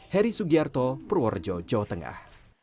heri sugiarto purworejo jawa tengah